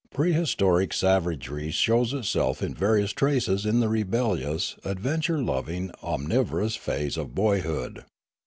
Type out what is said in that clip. Prehistoric savagery shows itself in various traces in the rebellious, adventure loving, omnivorous phase of boyhood.